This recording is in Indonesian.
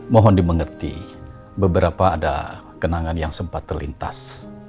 mohon dimengerti beberapa ada kenangan yang sempat terlintas